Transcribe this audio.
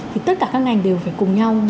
thì tất cả các ngành đều phải cùng nhau